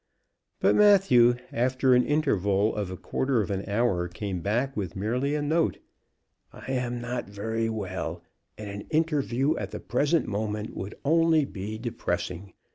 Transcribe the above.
But Matthew, after an interval of a quarter of an hour, came back with merely a note: "I am not very well, and an interview at the present moment would only be depressing.